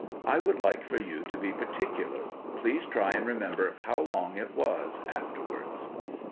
I would like for you to be particular ; please try and remember how long it was afterwards